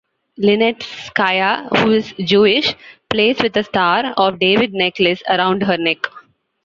Linetskaya, who is Jewish, plays with a Star of David necklace around her neck.